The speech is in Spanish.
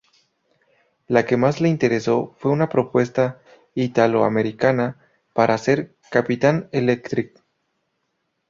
La que más le interesó fue una propuesta Italo-americana para hacer "Capitán Electric".